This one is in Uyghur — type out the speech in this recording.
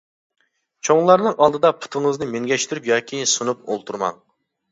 چوڭلارنىڭ ئالدىدا پۇتىڭىزنى مىنگەشتۈرۈپ ياكى سۇنۇپ ئولتۇرماڭ.